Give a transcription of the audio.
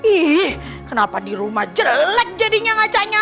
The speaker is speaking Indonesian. ih kenapa di rumah jelek jadinya ngacaknya